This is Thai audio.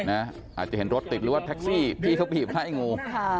อาจจะเห็นรถติดหรือว่าแท็กซี่พี่เขาบีบให้งู